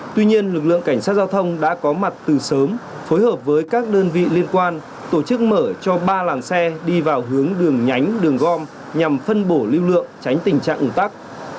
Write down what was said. tuy nhiên lực lượng cảnh sát giao thông đã có mặt từ sớm phối hợp với các đơn vị liên quan tổ chức mở cho ba làn xe đi vào hướng đường nhánh đường gom nhằm phân bổ lưu lượng tránh tình trạng ủng tắc